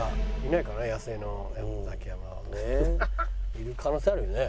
いる可能性あるよね。